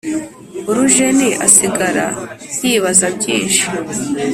urujeni asigara yibaza byinshi